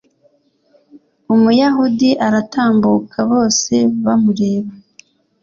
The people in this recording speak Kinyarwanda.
umuyahudi aratambuka bose bamureba